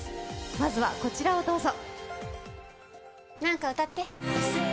まずは、こちらをどうぞ。